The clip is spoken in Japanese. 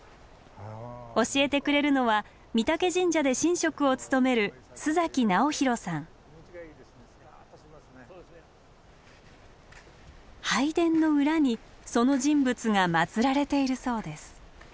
教えてくれるのは御嶽神社で神職を務める拝殿の裏にその人物が祀られているそうです。